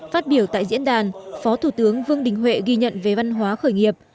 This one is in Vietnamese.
phát biểu tại diễn đàn phó thủ tướng vương đình huệ ghi nhận về văn hóa khởi nghiệp